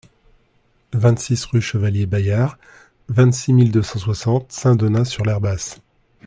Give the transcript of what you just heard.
vingt-six rue Chevalier Bayard, vingt-six mille deux cent soixante Saint-Donat-sur-l'Herbasse